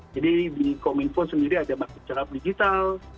jadi di kominfo sendiri ada maksimal digital